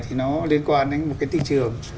thì nó liên quan đến một cái thị trường